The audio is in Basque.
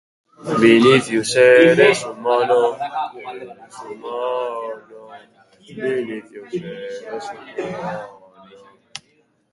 Era berean, erakunde armatuaren estrategia berriarekin ados daudela berretsi dute.